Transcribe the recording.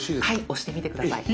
押してみて下さい。